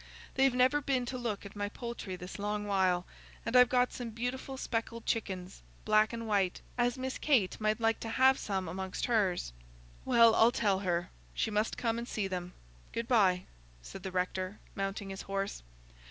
They've never been to look at my poultry this long while, and I've got some beautiful speckled chickens, black and white, as Miss Kate might like to have some of amongst hers." "Well, I'll tell her; she must come and see them. Good bye," said the rector, mounting his horse.